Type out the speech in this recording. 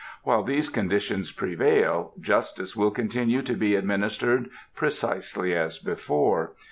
While these conditions prevail, justice will continue to be administered precisely as before.